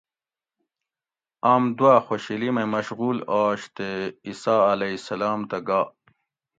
آم دُواۤ خوشیلی مئ مشغول آش تے عیسٰی علیہ السلام تہ گا